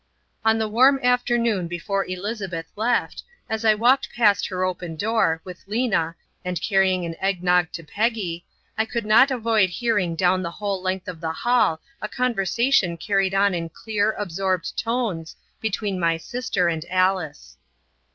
On the warm afternoon before Elizabeth left, as I walked past her open door, with Lena, and carrying an egg nog to Peggy, I could not avoid hearing down the whole length of the hall a conversation carried on in clear, absorbed tones, between my sister and Alice.